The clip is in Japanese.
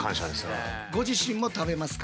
ご自身も食べますか？